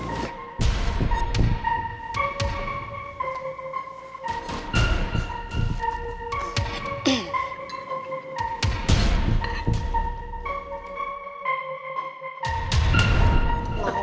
nanti aku nanti nanti